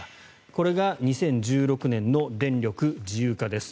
これが２０１６年の電力自由化です。